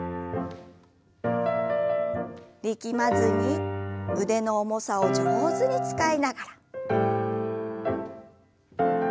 力まずに腕の重さを上手に使いながら。